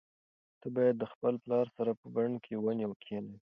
ته باید د خپل پلار سره په بڼ کې ونې کښېنوې.